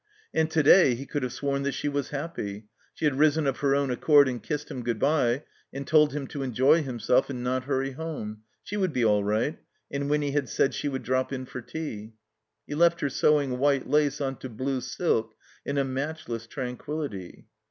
And to day he could have sworn that she was happy. She had risen of her own accord and kissed him good by and told him to enjoy himself and not hurry home. She would be all right, and Winny had said she would drop in for tea. He left her sewing white lace onto blue silk in a matchless tranquillity.